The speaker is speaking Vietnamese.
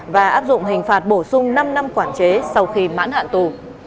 và áp dụng hình phạt bổ sung năm năm quản chế sau khi mãn hạn tù